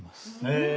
へえ。